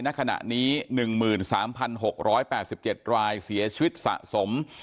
ณขณะนี้หนึ่งหมื่นสามพันหกร้อยแปดสิบเจ็ดรายเสียชีวิตสะสม